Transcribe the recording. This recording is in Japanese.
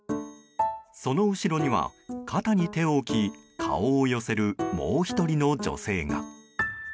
その後ろには、肩に手を置き顔を寄せる、もう１人の女性が。